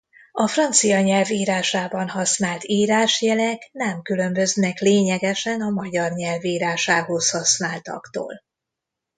A francia nyelv írásában használt írásjelek nem különböznek lényegesen a magyar nyelv írásához használtaktól.